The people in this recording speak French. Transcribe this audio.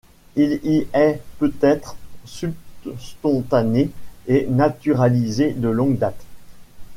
Il y est peut-être subspontané et naturalisé de longue date.